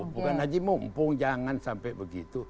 bukan haji mumpung jangan sampai begitu